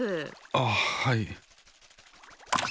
あっはい。